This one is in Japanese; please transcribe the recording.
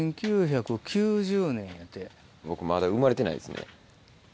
僕まだ生まれてないですね。